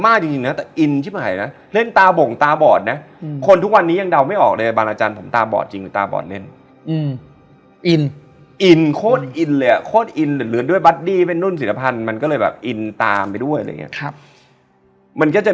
มีเด็กพูดคำว่าขอยาหน่อย